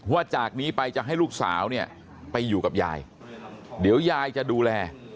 จากนี้ไปจะให้ลูกสาวเนี่ยไปอยู่กับยายเดี๋ยวยายจะดูแล